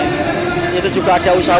itu juga ada usaha